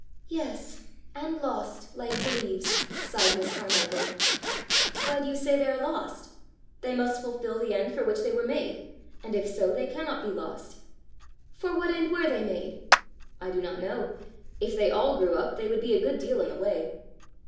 "Yes; and lost like the leaves!" sighed Miss Carmichael. "Why do you say they are lost? They must fulfil the end for which they were made, and if so, they cannot be lost." "For what end were they made?" "I do not know. If they all grew up, they would be a good deal in the way."